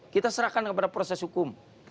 kita serahkan kepada proses hukum